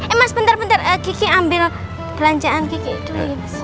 eh mas bentar bentar kiki ambil belanjaan kiki dulu